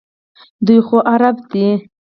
دوی خو عرب دي.